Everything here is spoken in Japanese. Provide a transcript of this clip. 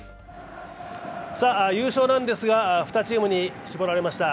優勝なんですが、２チームに絞られました。